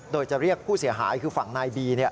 โดยจะเรียกผู้เสียหายคือฝั่งนายบี